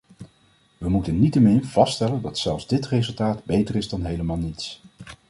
We moeten niettemin vaststellen dat zelfs dit resultaat beter is dan helemaal niets.